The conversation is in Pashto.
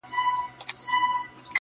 مخ ته مي لاس راوړه چي ومي نه خوري